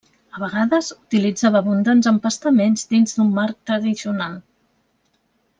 A vegades, utilitzava abundants empastaments dins d'un marc tradicional.